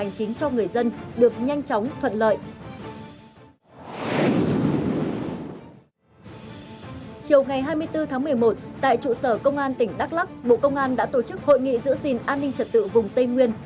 chiều ngày hai mươi bốn tháng một mươi một tại trụ sở công an tỉnh đắk lắc bộ công an đã tổ chức hội nghị giữ gìn an ninh trật tự vùng tây nguyên